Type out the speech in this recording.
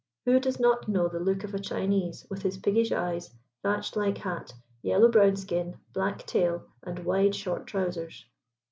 Who does not know the look of a Chinese, with his piggish eyes, thatched like hat, yellow brown skin, black tail, and wide short trousers?